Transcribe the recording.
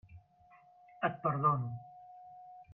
Et perdono.